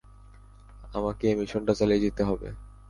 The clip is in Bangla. আমাকে এই মিশনটা চালিয়ে যেতে হবে।